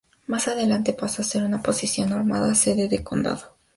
Más adelante pasó a ser una posesión normanda, sede de un condado.